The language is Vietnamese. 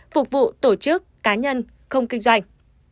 phục vụ tổ chức cá nhân không kinh doanh